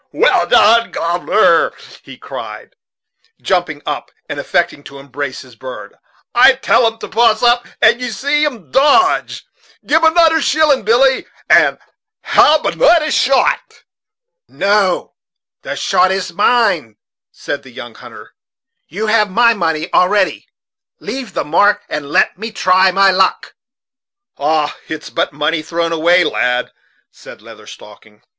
"Well done, a gobbler," he cried, jumping up and affecting to embrace his bird; "I tell 'em to poss up, and you see 'em dodge. Gib anoder shillin', Billy, and halb anoder shot." "No the shot is mine," said the young hunter; "you have my money already. Leave the mark, and let me try my luck." "Ah! it's but money thrown away, lad," said Leather Stocking.